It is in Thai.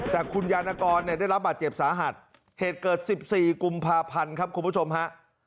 แต่คุณยานกรเนี่ยได้รับบาดเจ็บสาหัสเหตุเกิด๑๔กุมภาพันธ์ครับคุณผู้ชมฮะ